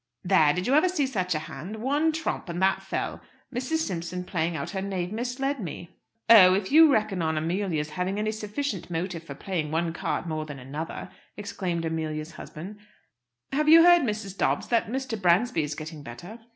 There! Did you ever see such a hand? One trump! and that fell. Mrs. Simpson playing out her knave misled me." "Oh, if you reckon on Amelia's having any sufficient motive for playing one card more than another " exclaimed Amelia's husband. "Have you heard, Mrs. Dobbs, that Mr. Bransby is getting better?"